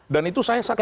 dan itu saya saksinya